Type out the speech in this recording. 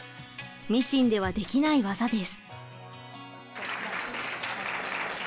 ミシンではできない技です。